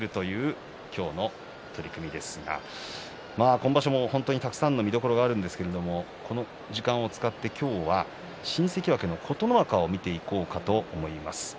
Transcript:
今場所も本当にたくさんの見どころがあるんですがこの時間を使って今日は新関脇の琴ノ若を見ていこうと思います。